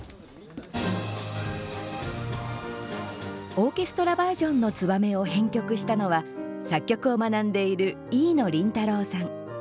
オーケストラバージョンの「ツバメ」を編曲をしたのは作曲を学んでいる飯野麟太郎さん。